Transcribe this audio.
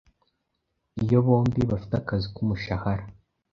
Iyo bombi bafite akazi k’umushahara,